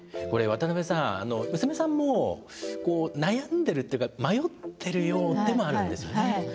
これ渡辺さん娘さんも悩んでるというか迷ってるようでもあるんですよね。